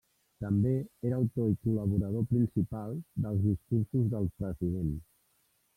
També era autor i col·laborador principal dels discursos del president.